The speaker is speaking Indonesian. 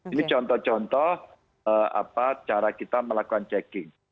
ini contoh contoh cara kita melakukan checking